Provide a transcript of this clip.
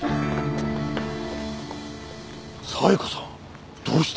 冴子さんどうして？